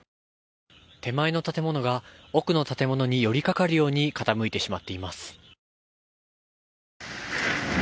手前の建物が奥の建物によりかかるように傾いてしまっています。